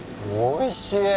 おいしい。